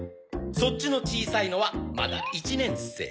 そっちの小さいのはまだ１年生。